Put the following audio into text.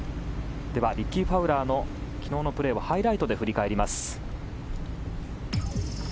では、リッキー・ファウラーの昨日のプレーをハイライトで振り返ります。